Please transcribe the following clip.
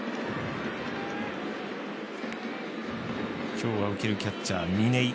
今日受けるキャッチャー、嶺井。